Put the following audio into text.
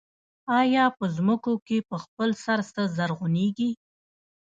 آیا په ځمکو کې په خپل سر څه زرغونېږي